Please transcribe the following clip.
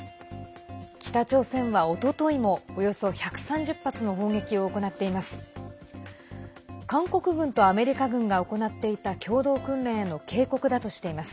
北朝鮮は、おとといもおよそ１３０発の砲撃を行っています。